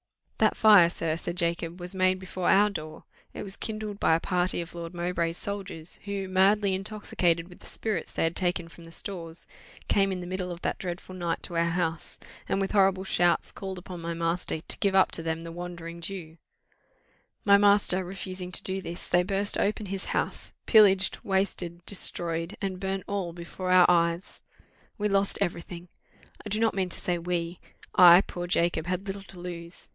"That fire, sir," said Jacob, "was made before our door: it was kindled by a party of Lord Mowbray's soldiers, who, madly intoxicated with the spirits they had taken from the stores, came in the middle of that dreadful night to our house, and with horrible shouts, called upon my master to give up to them the Wandering Jew. My master refusing to do this, they burst open his house, pillaged, wasted, destroyed, and burnt all before our eyes! We lost every thing! I do not mean to say we I, poor Jacob, had little to lose.